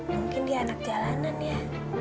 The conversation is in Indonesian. mungkin dia anak jalanan ya